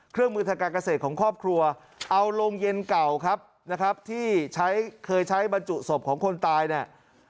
เครื่องมือทางการเกษตรของครอบครัวเอาโรงเย็นเก่าครับนะครับที่ใช้เคยใช้บรรจุศพของคนตายเนี่ย